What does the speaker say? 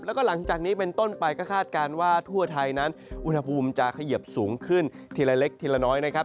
แล้วก็หลังจากนี้เป็นต้นไปก็คาดการณ์ว่าทั่วไทยนั้นอุณหภูมิจะเขยิบสูงขึ้นทีละเล็กทีละน้อยนะครับ